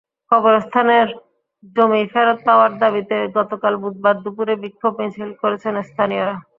কবরস্থানের জমি ফেরত পাওয়ার দাবিতে গতকাল বুধবার দুপুরে বিক্ষোভ মিছিল করেছেন স্থানীয়রা।